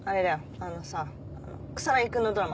あのさ草君のドラマ。